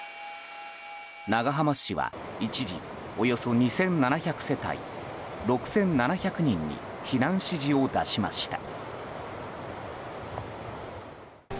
長浜市は一時およそ２７００世帯６７００人に避難指示を出しました。